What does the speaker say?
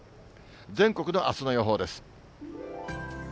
全国のあすの予報です。